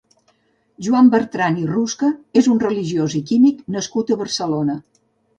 Joan Bertran i Rusca és un religiós i químic nascut a Barcelona.